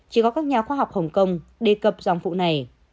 chỉ có các nhà khoa học hồng kông đề cập dòng phụ này